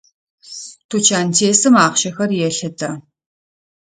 Тучантесым ахъщэхэр елъытэ.